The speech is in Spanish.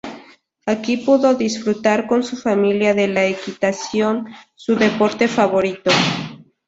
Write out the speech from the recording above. Aquí pudo disfrutar con su familia de la equitación, su deporte favorito.